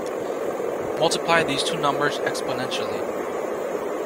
Multiply these two numbers exponentially.